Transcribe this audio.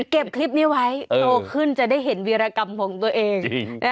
เก็บคลิปนี้ไว้โตขึ้นจะได้เห็นวีรกรรมของตัวเอง